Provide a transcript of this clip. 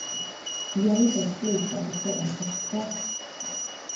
I alle fall slik at du får ein topp tre.....